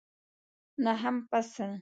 نهم فصل